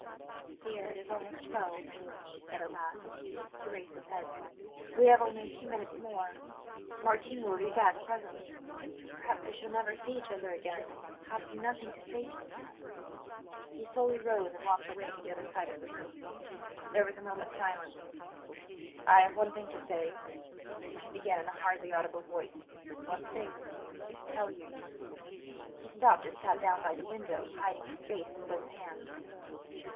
"Dear, it is almost twelve," she said at last. He raised his head. "We have only a few minutes more; Martini will be back presently. Perhaps we shall never see each other again. Have you nothing to say to me?" He slowly rose and walked away to the other side of the room. There was a moment's silence. "I have one thing to say," he began in a hardly audible voice; "one thing to tell you " He stopped and sat down by the window, hiding his face in both hands.